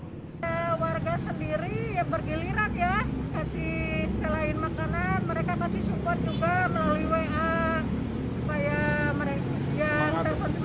warga sendiri yang bergiliran ya